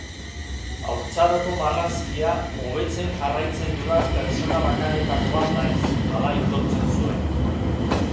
Haurtzaroko marrazkia hobetzen jarraitzen dudan pertsona bakanetako bat naiz, hala aitortzen zuen.